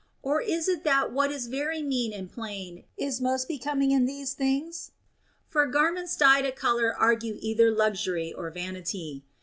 Or is it that what is very mean and plain is most becoming in these things ? For garments dyed of a color argue either luxury or vanity.